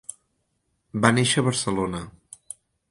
Va néixer a Barcelona.